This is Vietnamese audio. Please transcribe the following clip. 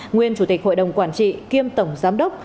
nguyên chủ tịch hội đồng quản trị kiêm tổng giám đốc